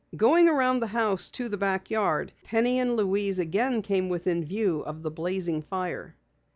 Going around the house to the back yard, Penny and Louise again came within view of the blazing fire.